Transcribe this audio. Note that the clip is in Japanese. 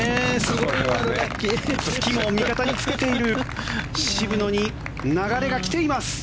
ツキを味方につけている渋野に流れが来ています。